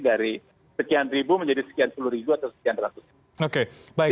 dari sekian ribu menjadi sekian puluh ribu atau sekian ratusan